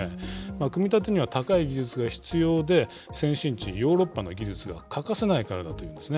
組み立てには高い技術が必要で、先進地、ヨーロッパの技術が欠かせないからだというんですね。